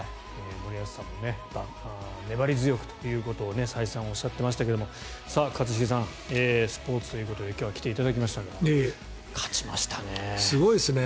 森保さんも粘り強くということを再三おっしゃっていましたが一茂さん、スポーツということで今日は来ていただきましたが勝ちましたね。